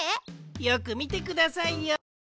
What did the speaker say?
よくみてくださいよ。